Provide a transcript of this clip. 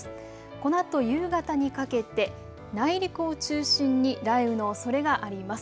このあと夕方にかけて内陸を中心に雷雨のおそれがあります。